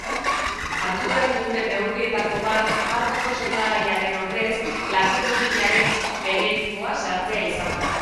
Hartu berri duten neurrietako bat markako sendagaiaren ordez lamigudinaren generikoa sartzea izan da.